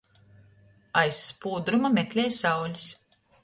Aiz spūdruma meklej saulis.